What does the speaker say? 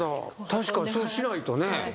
確かにそうしないとね。